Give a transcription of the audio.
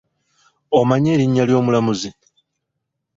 Omanyi erinnya ly'omulamuzi?